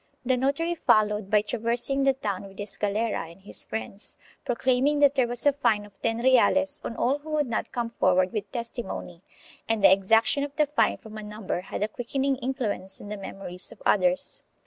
The notary followed by traversing the town with Escalera and his friends, proclaiming that there was a fine of ten reales on all who would not come forward with testimony, and the exaction of the fine from a number had a quickening influence on the memories of others.